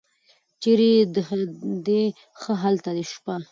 چېرې دې ښه هلته دې شپه.